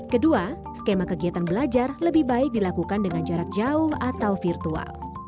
kedua skema kegiatan belajar lebih baik dilakukan dengan jarak jauh atau virtual